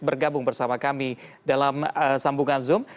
bergabung bersama kami dalam sambungan zoom